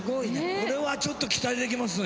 これはちょっと期待できますね。